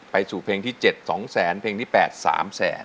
สู่เพลงที่๗๒แสนเพลงที่๘๓แสน